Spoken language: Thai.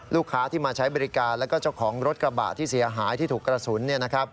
ลูกค้าที่มาใช้บริการแล้วก็เจ้าของรถกระบะที่เสียหายที่ถูกกระสุน